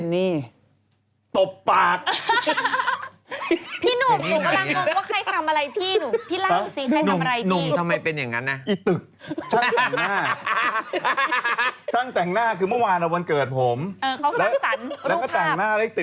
นี่หนูก็เจอพี่เจนี่หนูก็จะอวด